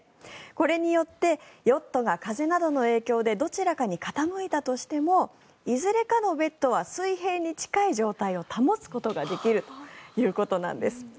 これによってヨットが風などの影響でどちらかに傾いたとしてもいずれかのベッドは水平に近い状態を保つことができるということなんです。